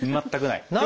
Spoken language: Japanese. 全くない？